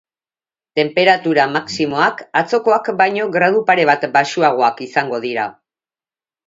Tenperatura maximoak atzokoak baino gradu pare bat baxuagoak izango dira.